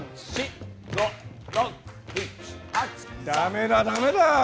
ダメだダメだ。